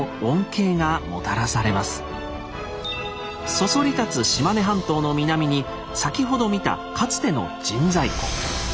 そそり立つ島根半島の南に先ほど見たかつての神西湖。